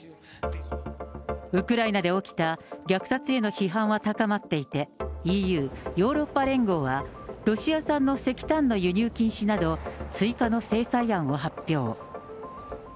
ウクライナで起きた虐殺への批判は高まっていて、ＥＵ・ヨーロッパ連合はロシア産の石炭の輸入禁止など、追加の制裁案を発表。